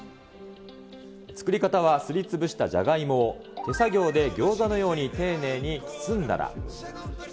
作り方はすりつぶしたじゃがいもを手作業でギョーザのように丁寧に包んだら。